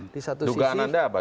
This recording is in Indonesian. di satu sisi